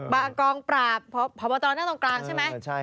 เบื้อกองปราบเพราะพ่อบอตรอนั่นตรงกลางใช่ไหม